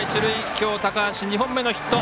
今日、高橋、２本目のヒット。